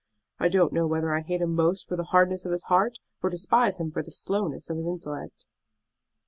I don't know whether I hate him most for the hardness of his heart, or despise him for the slowness of his intellect."